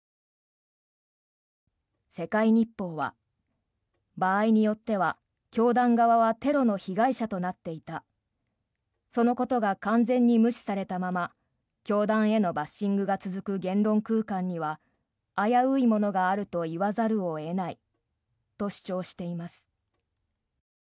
世界日報は場合によっては教団側はテロの被害者となっていたそのことが完全に無視されたまま教団へのバッシングが続く言論空間には危ういものがあると言わざるを得ないと主張しています。